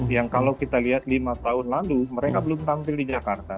yang kalau kita lihat lima tahun lalu mereka belum tampil di jakarta